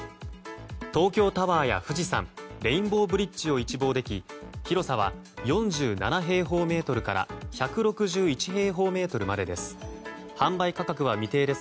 東京タワーや富士山レインボーブリッジを一望でき広さは４７平方メートルから１６１平方メートルまでです。